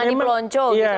jangan dipeloncok maksudnya